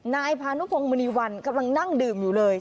นายพานุพงมณีวันกำลังนั่งดื่มอยู่เลย